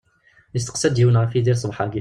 Yesteqsa-d yiwen ɣef Yidir ṣṣbeḥ-agi.